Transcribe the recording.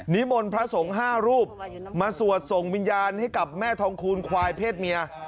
มนต์พระสงฆ์๕รูปมาสวดส่งวิญญาณให้กับแม่ทองคูณควายเพศเมีย